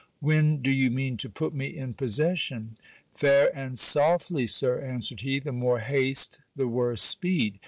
When do you mean to put me in possession ? Fair and softly, | sir, answered he, the more haste the worse speed.